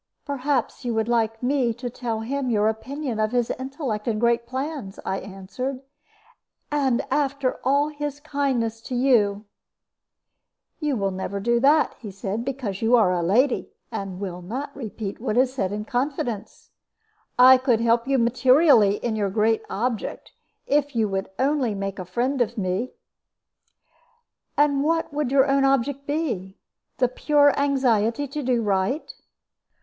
"Perhaps you would like me to tell him your opinion of his intellect and great plans," I answered. "And after all his kindness to you!" "You never will do that," he said; "because you are a lady, and will not repeat what is said in confidence. I could help you materially in your great object, if you would only make a friend of me." "And what would your own object be? The pure anxiety to do right?"